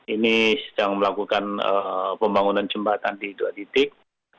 ini sedang melakukan pembangunan jembatan di dua titik